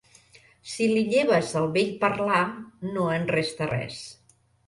Si li lleves el bell parlar, no en resta res.